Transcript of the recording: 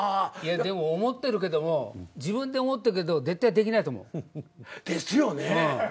でも思ってるけども自分で思ってるけど絶対できないと思う。ですよね。